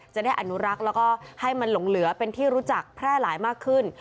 จะได้อนุรักษ์แล้วก็ให้มันหลงเหลือเป็นที่รู้จักแพร่หลายมากขึ้น